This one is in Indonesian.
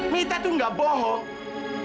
mita itu enggak bohong